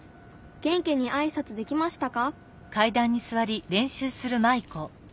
元気にあいさつできましたか？」。